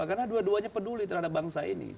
karena dua duanya peduli terhadap bangsa ini